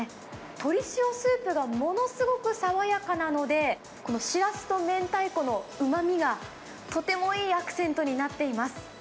鶏塩スープがものすごく爽やかなので、このしらすと明太子のうまみが、とてもいいアクセントになっています。